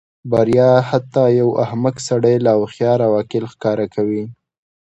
بریا حتی یو احمق سړی لا هوښیار او عاقل ښکاره کوي.